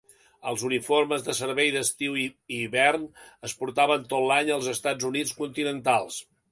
Els uniformes de servei d'estiu i hivern es portaven tot l'any als Estats Units continentals.